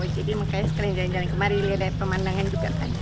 jadi makanya sekalian jalan jalan kemari lihat dari pemandangan juga kan